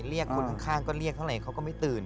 เรียกคนข้างก็เรียกเท่าไหร่เขาก็ไม่ตื่น